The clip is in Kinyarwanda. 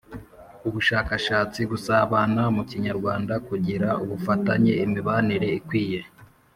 ubushakashatsi, gusabana mu Kinyarwanda, kugira ubufatanye, imibanire ikwiye